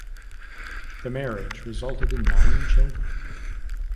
The marriage resulted in nine children.